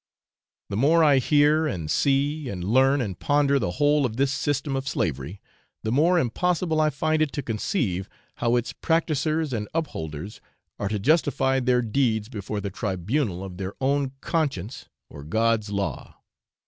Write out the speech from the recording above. The more I hear, and see, and learn, and ponder the whole of this system of slavery, the more impossible I find it to conceive how its practisers and upholders are to justify their deeds before the tribunal of their own conscience or God's law.